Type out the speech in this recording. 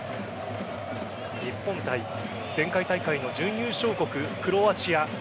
日本対前回大会の準優勝国・クロアチア。